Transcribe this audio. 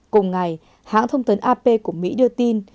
cùng ngày hãng thông tấn ap của mỹ đưa tin